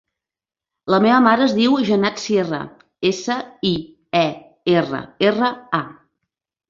La meva mare es diu Jannat Sierra: essa, i, e, erra, erra, a.